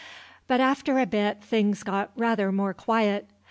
But after a bit things got rather more quiet.